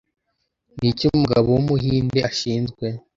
Niki Umugabo wumuhinde ashinzwe